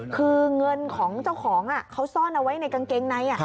คือเงินของเจ้าของเขาซ่อนเอาไว้ในกางเกงใน